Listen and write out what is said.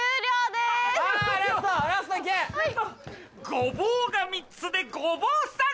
ごぼうが３つでごぼうさん。